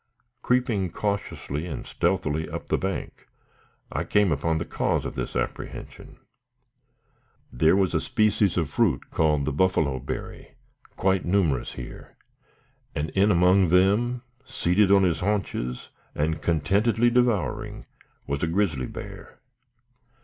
Creeping cautiously and stealthily up the bank, I came upon the cause of this apprehension. There was a species of fruit, called the "buffalo berry," quite numerous here, and in among them, seated on his haunches, and contentedly devouring, was a grizzly bear.